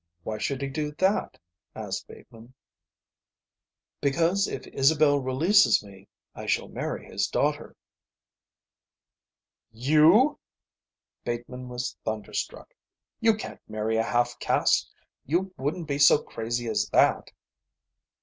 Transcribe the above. "Why should he do that?" asked Bateman. "Because if Isabel releases me I shall marry his daughter." "You?" Bateman was thunderstruck. "You can't marry a half caste. You wouldn't be so crazy as that."